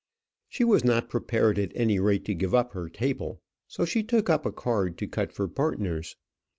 She was not prepared at any rate to give up her table, so she took up a card to cut for partners.